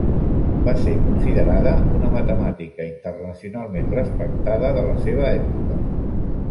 Va ser considerada una matemàtica internacionalment respectada de la seva època.